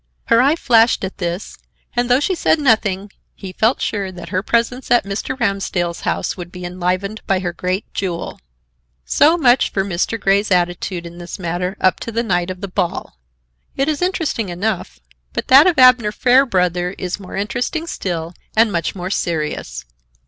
Her eye flashed at this and, though she said nothing, he felt sure that her presence at Mr. Ramsdell's house would be enlivened by her great jewel. So much for Mr. Grey's attitude in this matter up to the night of the ball. It is interesting enough, but that of Abner Fairbrother is more interesting still and much more serious.